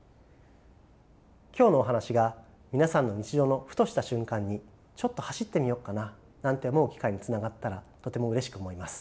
今日のお話が皆さんの日常のふとした瞬間にちょっと走ってみよっかななんて思う機会につながったらとてもうれしく思います。